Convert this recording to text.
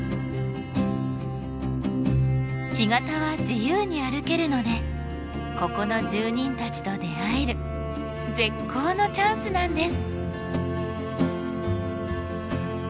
干潟は自由に歩けるのでここの住人たちと出会える絶好のチャンスなんです。